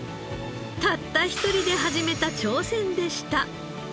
たった一人で始めた挑戦でした。